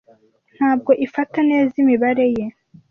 ntabwo ifata neza imibare ye